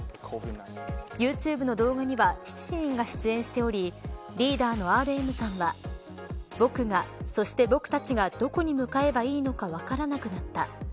ユーチューブの動画には７人が出演しておりリーダーのＲＭさんは僕が、そして僕たちがどこに向かえばいいのか分からなくなった。